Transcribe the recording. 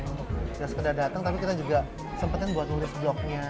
sebenarnya sudah datang tapi kita juga sempat buat nulis blog nya